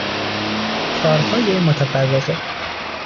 کارهای متفرقه